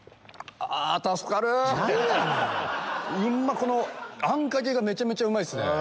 このあんかけがめちゃめちゃうまいっすね。